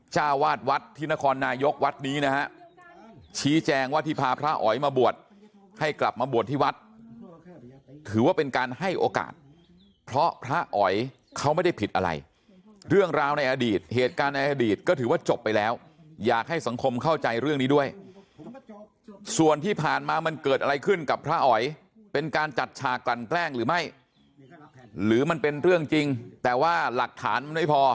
เจ้าวาดวัดที่นครนายกวัดนี้นะฮะชี้แจงว่าที่พาพระอ๋อยมาบวชให้กลับมาบวชที่วัดถือว่าเป็นการให้โอกาสเพราะพระอ๋อยเขาไม่ได้ผิดอะไรเรื่องราวในอดีตเหตุการณ์ในอดีตก็ถือว่าจบไปแล้วอยากให้สังคมเข้าใจเรื่องนี้ด้วยส่วนที่ผ่านมามันเกิดอะไรขึ้นกับพระอ๋อยเป็นการจัดฉากกลั่นแกล้งหรือไม่หรือมันเป็นเรื่องจริงแต่ว่าหลักฐานมันไม่พอ